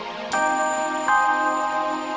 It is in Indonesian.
kamu harus mencoba untuk mencoba